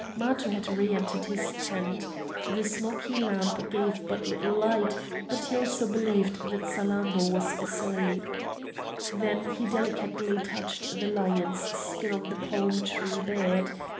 Matho had re entered his tent. The smoky lamp gave but little light, and he also believed that Salammbô was asleep. Then he delicately touched the lion's skin on the palm tree bed.